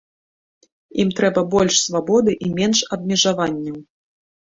Ім трэба больш свабоды і менш абмежаванняў.